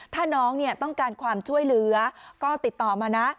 ถ้าน้องต้องการความช่วยเหลือก็ติดต่อมานะ